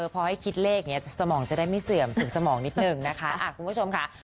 พอให้คิดเลขอย่างนี้สมองจะได้ไม่เสื่อมถึงสมองนิดนึงนะคะคุณผู้ชมค่ะ